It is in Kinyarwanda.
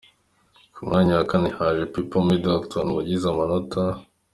Ku mwanya wa kane haje Pipa Middleton wagize amanota ,